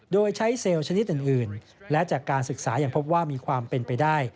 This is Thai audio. โดยใช้เซลล์ชนิดอื่นและจากการศึกษายังพบว่ามีความเป็นไปได้